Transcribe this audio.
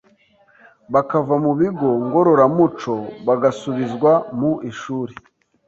bakava mu bigo ngororamuco bagasubizwa mu ishuri